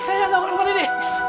saya yang tahu orang pak didi